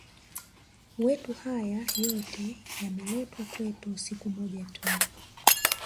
wetu haya yote yameletwa kwetu siku moja tu